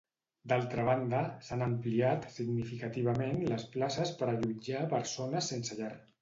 D'altra banda, s'han ampliat significativament les places per a allotjar persones sense llar.